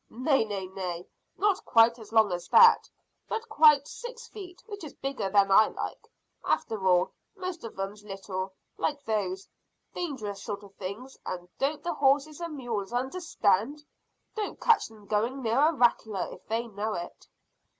"Nay, nay, nay, not quite as long as that, but quite six feet, which is bigger than I like, after all. Most of 'em's little, like those. Dangerous sort of things, and don't the horses and mules understand! Don't catch them going near a rattler if they know it."